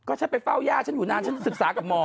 ก็จะไปฟ่าวย่าชั้นอยู่นานจะจะศึกษากับหมอ